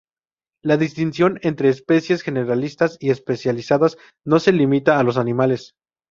La distinción entre especies generalistas y especializadas no se limita a los animales.